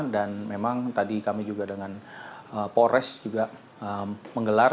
dan memang tadi kami juga dengan pores juga menggelar